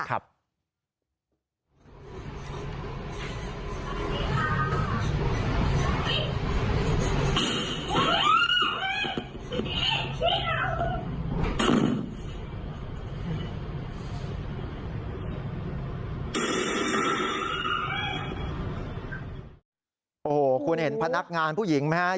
โอ้โหคุณเห็นพนักงานผู้หญิงไหมฮะ